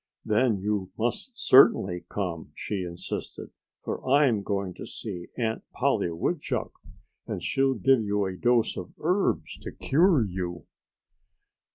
"Then you must certainly come," she insisted, "for I'm going to see Aunt Polly Woodchuck and she'll give you a dose of herbs to cure you."